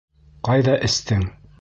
Ҡайҙа эстең?